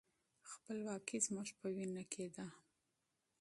خپلواکي زموږ په وینه کې ده.